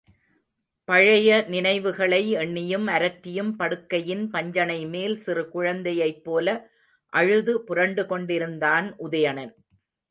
பழைய நினைவுகளை எண்ணியும் அரற்றியும் படுக்கையின் பஞ்சணைமேல் சிறு குழந்தையைப்போல அழுது புரண்டு கொண்டிருந்தான் உதயணன்.